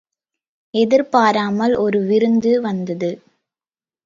எதிர்பாராமல் ஒரு விருந்து வந்தது.